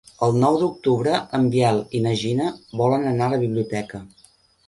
El nou d'octubre en Biel i na Gina volen anar a la biblioteca.